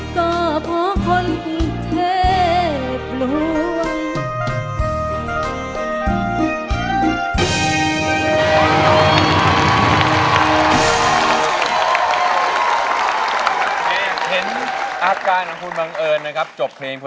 ก็เพราะคนคุณเทพรวม